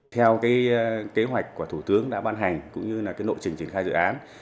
theo kế hoạch của thủ tướng đã ban hành cũng như nội trình triển khai dự án